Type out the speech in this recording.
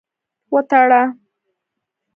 وتړه.